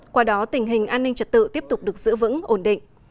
qua đó tình hình an ninh trật tự tiếp tục được giữ vững ổn định